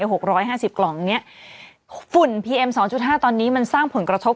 อย่างไงเอ๊หกร้อยห้าสิบกล่องเนี้ยฝุ่นแพทรองช้อจุดห้าตอนนี้มันสร้างผลกระทบ